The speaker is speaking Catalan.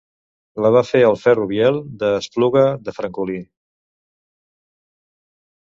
La va fer el ferro Biel, de l'Espluga de Francolí.